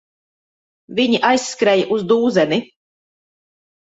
Viņi aizskrēja uz dūzeni.